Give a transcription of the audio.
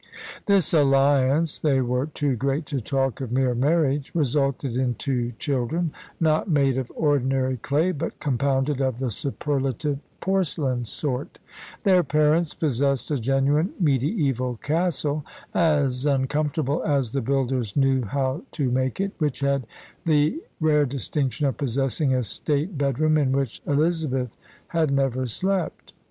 This alliance they were too great to talk of mere marriage resulted in two children, not made of ordinary clay, but compounded of the superlative porcelain sort. Their parents possessed a genuine mediæval castle, as uncomfortable as the builders knew how to make it, and which had the rare distinction of possessing a state bedroom in which Elizabeth had never slept.